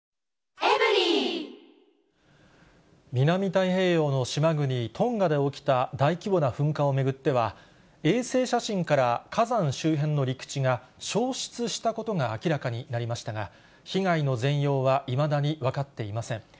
南太平洋の島国、トンガで起きた大規模な噴火を巡っては、衛星写真から火山周辺の陸地が消失したことが明らかになりましたが、被害の全容はいまだに分かっていません。